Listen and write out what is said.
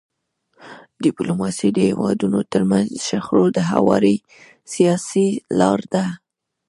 ډيپلوماسي د هیوادونو ترمنځ د شخړو د هواري سیاسي لار ده.